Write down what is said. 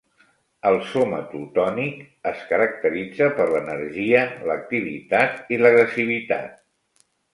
El somatotònic es caracteritza per l'energia, l'activitat i l'agressivitat.